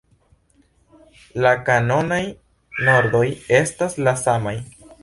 La kanonaj normoj estas la samaj.